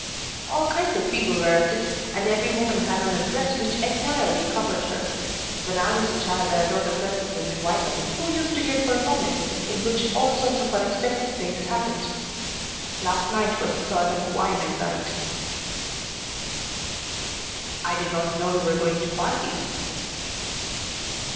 "All kinds of people were at it and every woman had on a dress which entirely covered her. When I was a child I adored a person named Wyman, who used to give performances in which all sorts of unexpected things happened. Last night was a sort of Wyman night." "I did not know you were going to parties."